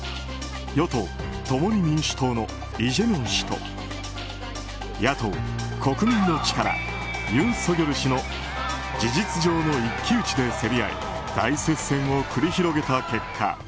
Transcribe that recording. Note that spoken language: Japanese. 与党・共に民主党のイ・ジェミョン氏と野党・国民の力のユン・ソギョル氏の事実上の一騎打ちで競り合い大接戦を繰り広げた結果。